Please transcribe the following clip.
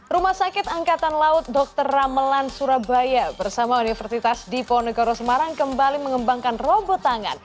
rumah sakit angkatan laut dr ramelan surabaya bersama universitas diponegoro semarang kembali mengembangkan robot tangan